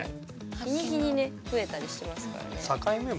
日に日にね増えたりしますからね。